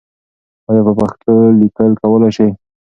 آیا په پښتو لیکل کولای سې؟